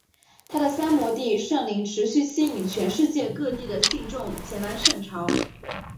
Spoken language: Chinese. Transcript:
他的三摩地圣陵持续吸引全世界各地的信众前来朝圣。